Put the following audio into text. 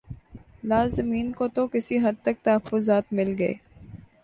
لازمین کو تو کسی حد تک تخفظات مل گئے